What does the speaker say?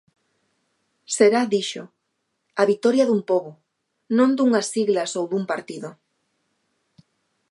Será, dixo "a vitoria dun pobo, non dunhas siglas ou dun partido".